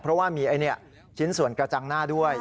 เพราะว่ามีชิ้นส่วนกระจังหน้าด้วย